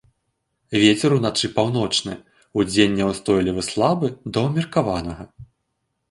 Вецер уначы паўночны, удзень няўстойлівы слабы да ўмеркаванага.